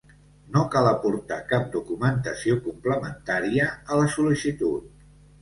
No cal aportar cap documentació complementària a la sol·licitud.